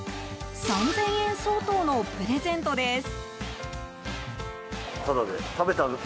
３０００円相当のプレゼントです。